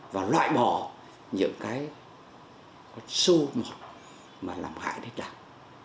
và loại bỏ những cái số một mà làm hại đến đảng